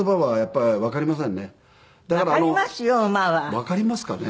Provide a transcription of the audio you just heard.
わかりますかね？